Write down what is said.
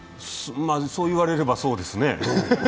そう言われればそうですね。